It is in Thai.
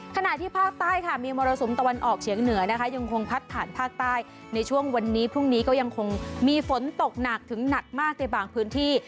ขณะที่ภาคใต้ค่ะมีมรสุมตะวันออกเฉียงเหนือนะคะยังคงพัดผ่านภาคใต้ในช่วงวันนี้พรุ่งนี้ก็ยังคงมีฝนตกหนักถึงหนักมากในบางพื้นที่